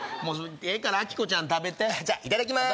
ええからアキコちゃん食べてじゃあいただきまーす